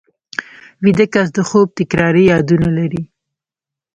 ویده کس د خوب تکراري یادونه لري